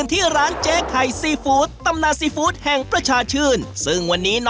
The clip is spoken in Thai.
วัตถุดิบของเราก็มีสียู้ขาวพริกกระเทียม